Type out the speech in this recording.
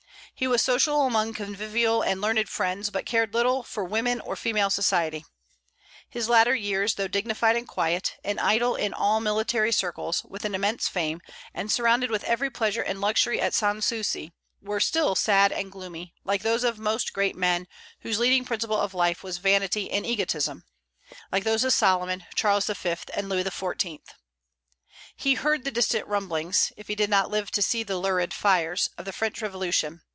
He was social among convivial and learned friends, but cared little for women or female society. His latter years, though dignified and quiet, an idol in all military circles, with an immense fame, and surrounded with every pleasure and luxury at Sans Souci, were still sad and gloomy, like those of most great men whose leading principle of life was vanity and egotism, like those of Solomon, Charles V., and Louis XIV. He heard the distant rumblings, if he did not live to see the lurid fires, of the French Revolution.